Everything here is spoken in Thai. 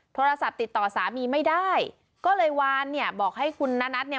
โทรศัพท์ติดต่อสามีไม่ได้ก็เลยวานเนี่ยบอกให้คุณนัทเนี่ย